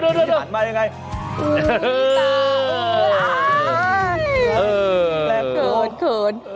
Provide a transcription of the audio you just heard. เผื่อนเขิน